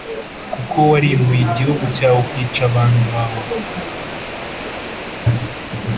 kuko warimbuye igihugu cyawe ukica abantu bawe.